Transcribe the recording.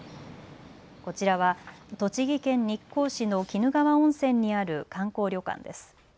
こちらは栃木県日光市の鬼怒川温泉にある観光旅館です。